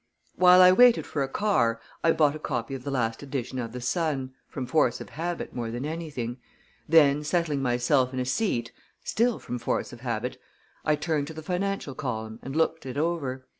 While I waited for a car I bought a copy of the last edition of the Sun from force of habit, more than anything; then, settling myself in a seat still from force of habit I turned to the financial column and looked it over.